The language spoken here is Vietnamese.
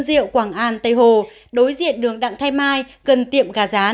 xuân diệu quảng an tây hồ đối diện đường đặng thay mai gần tiệm gà gián